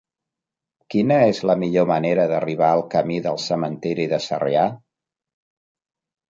Quina és la millor manera d'arribar al camí del Cementiri de Sarrià?